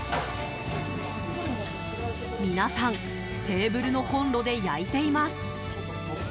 皆さん、テーブルのコンロで焼いています。